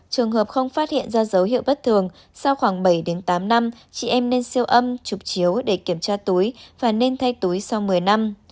trường hợp không phát hiện ra dấu hiệu bất thường sau khoảng bảy tám năm chị em nên siêu âm chụp chiếu để kiểm tra túi và nên thay túi sau một mươi năm